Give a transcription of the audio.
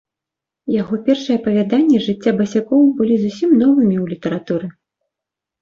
Яго першыя апавяданні з жыцця басякоў былі зусім новымі ў літаратуры.